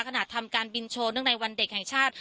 ทำการบินโชว์เนื่องในวันเด็กแห่งชาติ